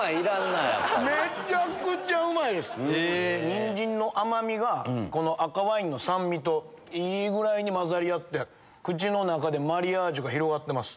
ニンジンの甘みが赤ワインの酸味といいぐらいに混ざり合って口の中でマリアージュが広がってます。